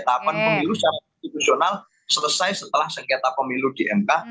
tahapan pemilu secara konstitusional selesai setelah sengketa pemilu di mk